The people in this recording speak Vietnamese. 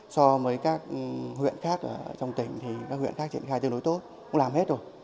so với các huyện khác trong tỉnh thì các huyện khác triển khai tương đối tốt cũng làm hết rồi